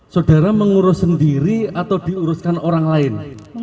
saudara mengurus sendiri atau diuruskan orang lain